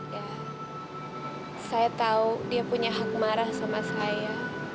ya saya tahu dia punya hak marah sama saya